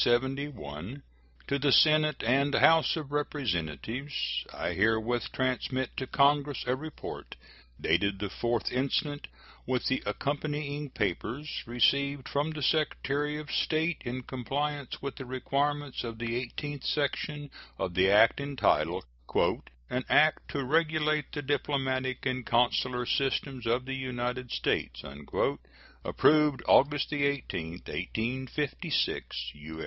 To the Senate and House of Representatives: I herewith transmit to Congress a report, dated the 4th instant, with the accompanying papers, received from the Secretary of State, in compliance with the requirements of the eighteenth section of the act entitled "An act to regulate the diplomatic and consular systems of the United States," approved August 18, 1856. U.